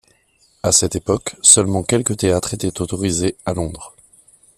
À cette époque, seulement quelques théâtres étaient autorisés à Londres.